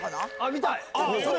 見たい！